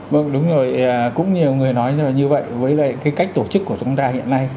vâng đúng rồi cũng nhiều người nói là như vậy với lại cái cách tổ chức của chúng ta hiện nay